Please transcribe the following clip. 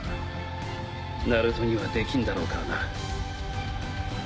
ナルトにはできんだろうからな。